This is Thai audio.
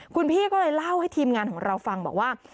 คุณพี่ก็เลยเล่าให้ทีมงานของเราฟังบอกว่า